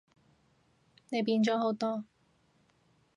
你變咗好多